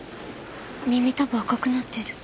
耳たぶ赤くなってる。